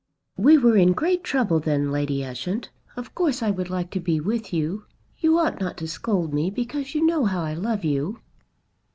"We were in great trouble then, Lady Ushant. Of course I would like to be with you. You ought not to scold me, because you know how I love you."